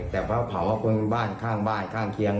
แต่ว่าเผาคนบ้านข้างบ้านข้างเคียง